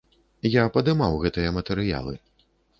Я падымаў гэтыя матэрыялы.